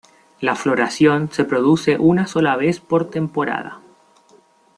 La floración se produce una sola vez por temporada.